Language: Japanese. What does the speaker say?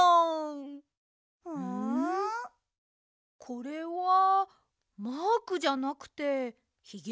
これはマークじゃなくてヒゲですね。